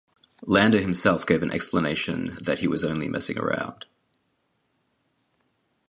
Landa himself gave an explanation that he was only messing around.